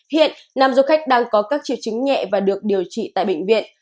hiện nam du khách đang có các triệu chứng nhẹ và được điều trị tại bệnh viện